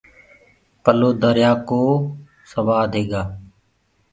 پَلو دريآ ڪو سوآد هيگآ